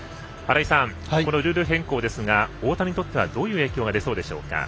新井さん、このルール変更ですが大谷にとってはどういう影響が出そうでしょう？